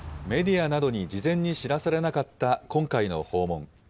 メディアなどに事前に知らされなかった今回の訪問。